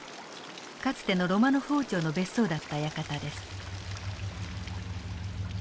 かつてのロマノフ王朝の別荘だった館です。